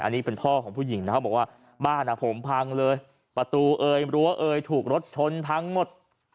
อันนี้เป็นพ่อของผู้หญิงนะครับบอกว่าบ้านผมพังเลยประตูเอยรั้วเอยถูกรถชนพังหมด